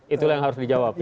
itulah yang harus dijawab